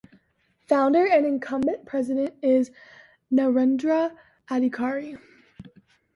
Founder and Incumbent President is Narendra Adhikari.